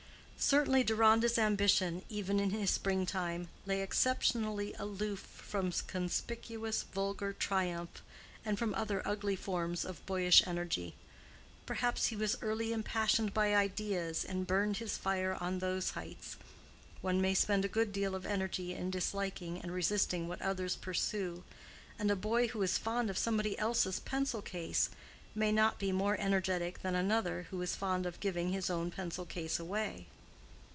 Certainly Deronda's ambition, even in his spring time, lay exceptionally aloof from conspicuous, vulgar triumph, and from other ugly forms of boyish energy; perhaps because he was early impassioned by ideas, and burned his fire on those heights. One may spend a good deal of energy in disliking and resisting what others pursue, and a boy who is fond of somebody else's pencil case may not be more energetic than another who is fond of giving his own pencil case away.